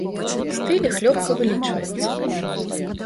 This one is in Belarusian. Стыль іх лёгка вылічваецца.